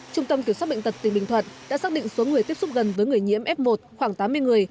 trung tâm kiểm soát bệnh tật tỉnh bình thuận đã xác định số người tiếp xúc gần với người nhiễm f một khoảng tám mươi người